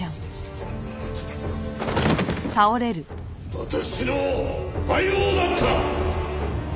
私の相棒だった！